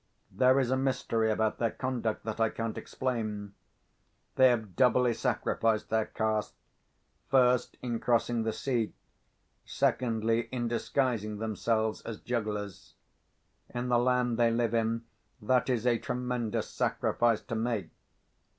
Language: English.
There is a mystery about their conduct that I can't explain. They have doubly sacrificed their caste—first, in crossing the sea; secondly, in disguising themselves as jugglers. In the land they live in that is a tremendous sacrifice to make.